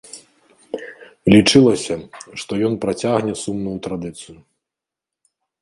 Лічылася, што ён працягне сумную традыцыю.